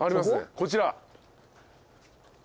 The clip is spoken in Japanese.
こちら。